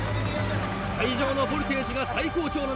会場のボルテージが最高潮の中